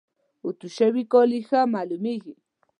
اوتو شوي کالي ښه معلوميږي.